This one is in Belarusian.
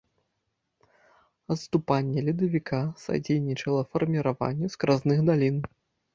Адступанне ледавіка садзейнічала фарміраванню скразных далін.